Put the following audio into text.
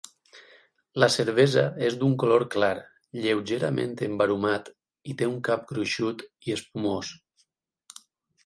La cervesa és d'un color clar, lleugerament embarumat i té un cap gruixut i espumós.